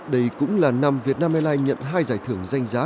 đây cũng là năm việt nam airlines nhận hai giải thưởng danh giá